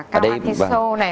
cáo hát thí sô này